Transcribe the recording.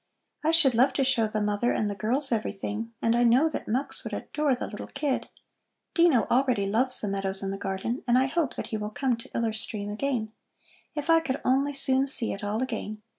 I should love to show the mother and the girls everything, and I know that Mux would adore the little kid. Dino already loves the meadows and the garden, and I hope that he will come to Iller Stream again. If I could only soon see it all again!